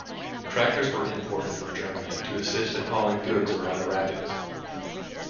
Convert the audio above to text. Tractors were imported from Germany to assist in hauling goods around the rapids.